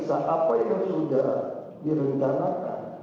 apa yang sudah direncanakan